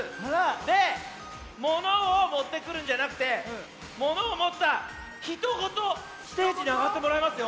でものをもってくるんじゃなくてものをもったひとごとステージにあがってもらいますよ。